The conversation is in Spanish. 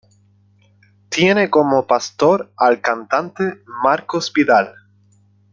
Tiene como pastor al cantante Marcos Vidal.